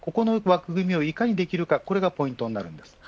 ここの枠組みをいかにできるかがポイントです。